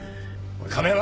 亀山！